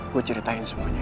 gue ceritain semuanya ya